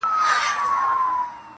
بیا مُلا سو بیا هغه د سیند څپې سوې!